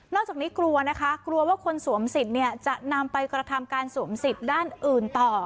จากนี้กลัวนะคะกลัวว่าคนสวมสิทธิ์จะนำไปกระทำการสวมสิทธิ์ด้านอื่นต่อ